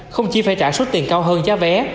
không chỉ phải trả số tiền cao hơn giá vé